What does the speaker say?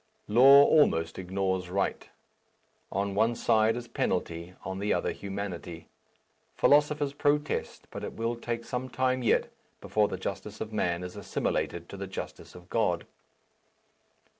Law almost ignores right. On one side is penalty, on the other humanity. Philosophers protest; but it will take some time yet before the justice of man is assimilated to the justice of God.